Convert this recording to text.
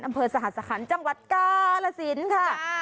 อำเภอสหสคัญจังหวัดกาลสินค่ะ